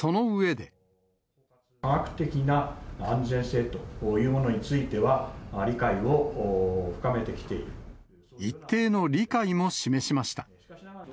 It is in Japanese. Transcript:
科学的な安全性というものに一定の理解も示しました。